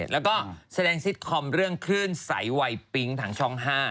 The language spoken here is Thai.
แล้วก็แสดงซิตคอมเรื่องคลื่นใสวัยปิ๊งทางช่อง๕